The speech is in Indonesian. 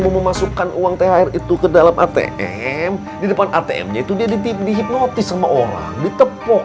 memasukkan uang thr itu ke dalam atm di depan atm nya itu dia dihipnotis sama orang ditepuk